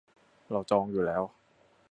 เราจองอยู่แล้ว